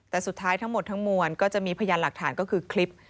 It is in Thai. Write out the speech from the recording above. แต่สุดท้ายทั้งหมดทั้งมวลก็จะมีพยานหลักฐานก็คือคลิป